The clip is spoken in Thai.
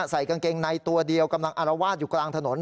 ใส่กางเกงในตัวเดียวกำลังอารวาสอยู่กลางถนน